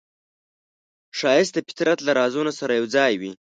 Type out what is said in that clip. ښایست د فطرت له رازونو سره یوځای وي